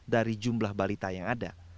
dari jumlah balita yang ada